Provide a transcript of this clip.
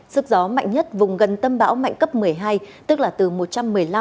sức gió mạnh nhất vùng gần tâm bão mạnh cấp một mươi hai tức là từ một trăm một mươi năm